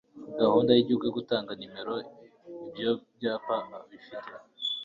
gahunda y igihugu yo gutanga nomero ibyobyapa bifite